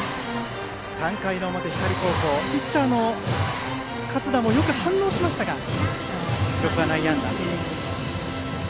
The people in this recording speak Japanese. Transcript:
３回の表、光高校ピッチャーの勝田もよく反応しましたが記録は内野安打。